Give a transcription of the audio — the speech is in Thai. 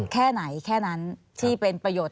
แค่ไหนแค่นั้นที่เป็นประโยชน